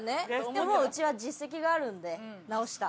でもううちは実績があるんで治した。